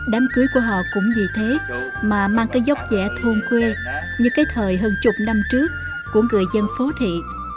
đám cưới của họ cũng vì thế mà mang cái dốc rẽ thôn quê như cái thời hơn chục năm trước của người dân phố thị